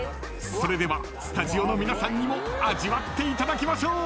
［それではスタジオの皆さんにも味わっていただきましょう］